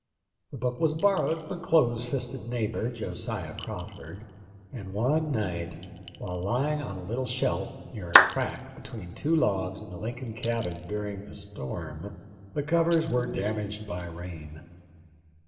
The book was borrowed from a close fisted neighbor, Josiah Crawford, and one night, while lying on a little shelf near a crack between two logs in the Lincoln cabin during a storm, the covers were damaged by rain.